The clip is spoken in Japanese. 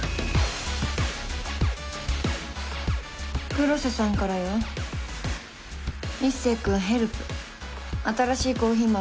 黒瀬さんからよ「壱成君ヘルプ」「新しいコーヒー豆